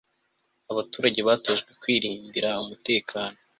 abaturage batojwe kwirindira umutekano